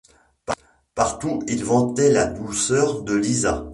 Partout, il vantait la douceur de Lisa.